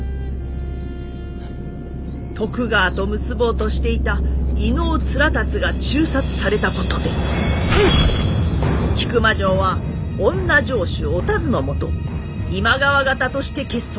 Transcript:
徳川と結ぼうとしていた飯尾連龍が誅殺されたことで引間城は女城主お田鶴のもと今川方として結束。